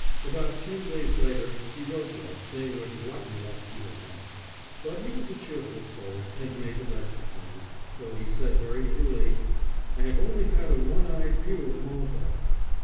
About ten days later he wrote to us saying what rotten luck he had had. But he was a cheerful soul and made the best of things, though he said, very truly, "I have only had a one eyed view of Malta!"